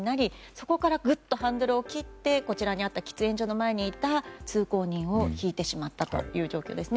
そこからぐっとハンドルを切ってこちらにあった喫煙所にいた通行人をひいてしまったという状況です。